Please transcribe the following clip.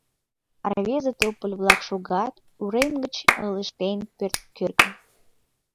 А рвезе тополь-влак шогат Урем гыч ылыжтен пӧрткӧргым.